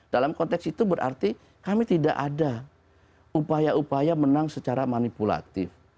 dalam konteks itu berarti kami tidak ada upaya upaya menang secara manipulatif